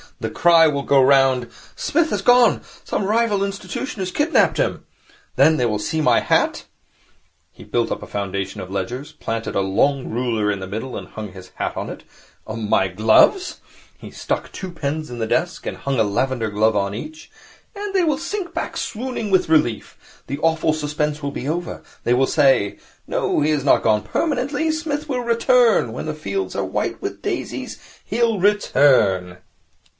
The cry will go round, "Psmith has gone! Some rival institution has kidnapped him!" Then they will see my hat,' he built up a foundation of ledgers, planted a long ruler in the middle, and hung his hat on it 'my gloves,' he stuck two pens into the desk and hung a lavender glove on each 'and they will sink back swooning with relief. The awful suspense will be over. They will say, "No, he has not gone permanently. Psmith will return. When the fields are white with daisies he'll return."